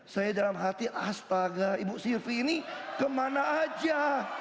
saya dalam hati astaga ibu silvi ini kemana aja